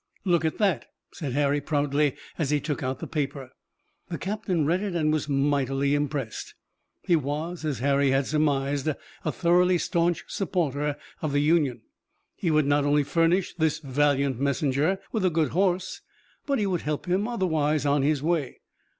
"Look at that," said Harry proudly as he took out the paper. The captain read it, and was mightily impressed. He was, as Harry had surmised, a thoroughly staunch supporter of the Union. He would not only furnish this valiant messenger with a good horse, but he would help him otherwise on his way.